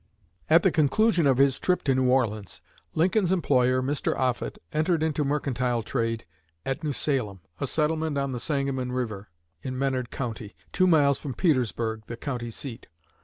At the conclusion of his trip to New Orleans, Lincoln's employer, Mr. Offutt, entered into mercantile trade at New Salem, a settlement on the Sangamon river, in Menard County, two miles from Petersburg, the county seat.